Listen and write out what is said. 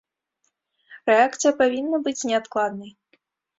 Рэакцыя павінна быць неадкладнай.